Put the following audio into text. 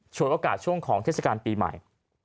วยโอกาสช่วงของเทศกาลปีใหม่